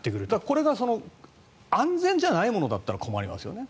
これが安全じゃないものだったら困りますよね。